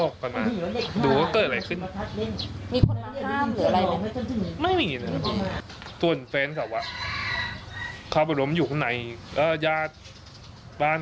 ก็ไม่รมอยู่ไหนโมงมา